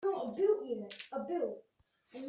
Tellamt tettxiḍimt.